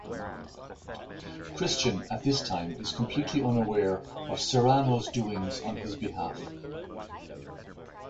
Christian, at this time, is completely unaware of Cyrano's doings on his behalf.